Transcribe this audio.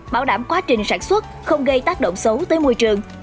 bảo đảm quá trình sản xuất không gây tác động xấu tới môi trường